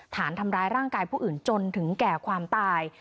ฐานทำร้ายร่างกายผู้อื่นจนถึงแก่ความตาย